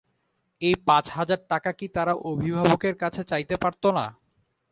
এই পাঁচ হাজার টাকা কি তারা অভিভাবকের কাছে চাইতে পারত না?